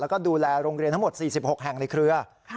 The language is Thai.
แล้วก็ดูแลโรงเรียนทั้งหมด๔๖แห่งในเครือ